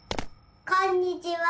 こんにちは。